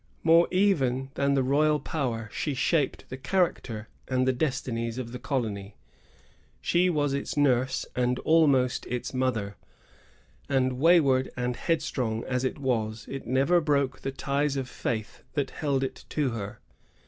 More even than the royal power, she shaped the character and the desti nies of the colony. She was its nurse and almost its mother; and, wayward and headstrong as it was, it never broke the ties of faith that held it to her.